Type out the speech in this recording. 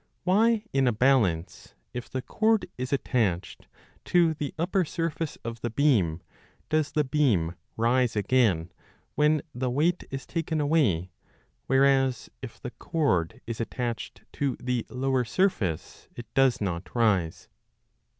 Why in a balance, if the cord is attached to the upper surface of the beam, does the beam rise again when the weight is taken away, whereas, if the cord is attached to the lower surface, it does not rise